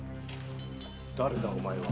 誰だお前は？